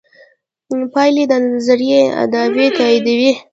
پایلې د نظریې ادعاوې تاییدوي.